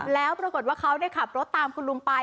แล้วปรากฏว่าเขาได้ขับรถตามคุณลุงไป